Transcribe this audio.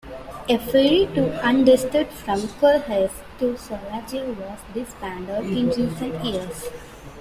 A ferry to Hundested from Kulhuse to Sølager was disbanded in recent years.